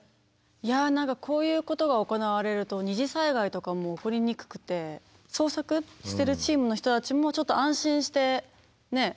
いや何かこういうことが行われると二次災害とかも起こりにくくて捜索してるチームの人たちもちょっと安心してねっ。